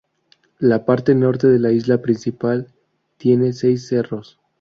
La parte norte de la isla principal tiene seis cerros.